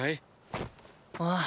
ああ。